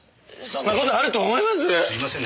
すいませんね